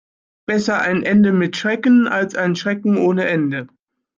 Besser ein Ende mit Schrecken, als Schrecken ohne Ende.